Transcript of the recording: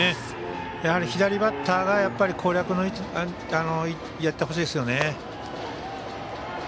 やはり左バッターが攻略をやってほしいですね。